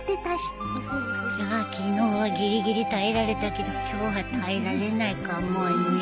じゃあ昨日はぎりぎり耐えられたけど今日は耐えられないかもね。